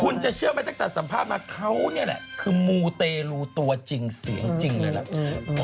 คุณจะเชื่อไหมตั้งแต่สัมภาษณ์มาเขานี่แหละคือมูเตรลูตัวจริงเสียงจริงเลยล่ะ